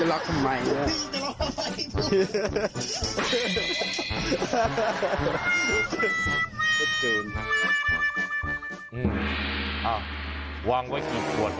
อ้าววางไว้กี่ขวดนะ